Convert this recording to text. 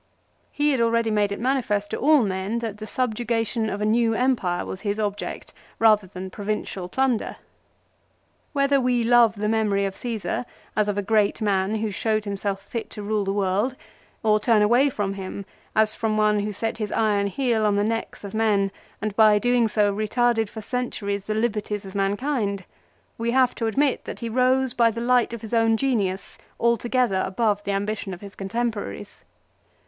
He had already made it manifest to all men that the subjugation of a new empire was his object rather than provincial plunder. Whether we love the memory of Caesar as of a great man who showed himself fit to rule the world, or turn away from him as from one who set his iron heel on the necks of men and by doing so retarded for centuries the liberties of mankind, we have to admit that he rose by the light of his own genius altogether above the ambition of his contemporaries.